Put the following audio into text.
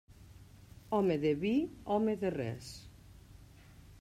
Home de vi, home de res.